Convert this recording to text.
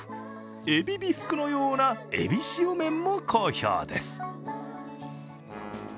エビビスクのような、えびしお麺も好評です。